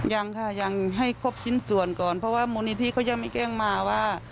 ยังค่ะยังให้ครบชิ้นส่วนก่อนเพราะว่ามูลนิธิเขายังไม่แจ้งมาว่า